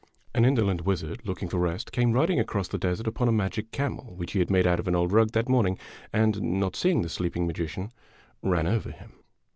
An indolent wizard, looking for rest, came ridinpf across the > o desert upon a magic camel, which he had made out of an old rug that morning, and, not seeing the sleeping magician, ran over him.